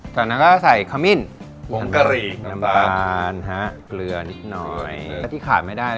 แล้วนั้นก็ทราย